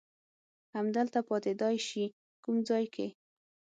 همدلته پاتېدای شې، کوم ځای کې؟